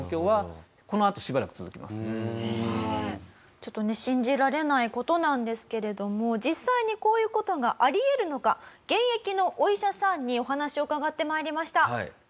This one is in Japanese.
ちょっとね信じられない事なんですけれども実際にこういう事があり得るのか現役のお医者さんにお話を伺って参りました。